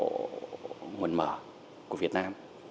câu lạc bộ nguồn mở của việt nam